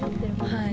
はい。